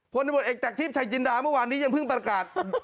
คนอัตบรเอกแจ๊กทิ้ปชายจินดาเมื่อวานนี้ยังพึ่งประกาศ